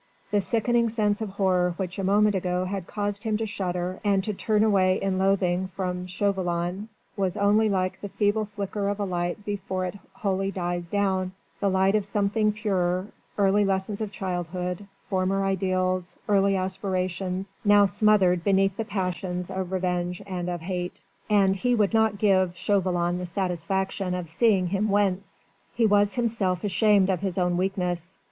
The sickening sense of horror which a moment ago had caused him to shudder and to turn away in loathing from Chauvelin was only like the feeble flicker of a light before it wholly dies down the light of something purer, early lessons of childhood, former ideals, earlier aspirations, now smothered beneath the passions of revenge and of hate. And he would not give Chauvelin the satisfaction of seeing him wince. He was himself ashamed of his own weakness.